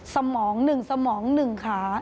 สมองหนึ่งสมองหนึ่งขา